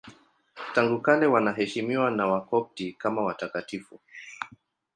Tangu kale wanaheshimiwa na Wakopti kama watakatifu.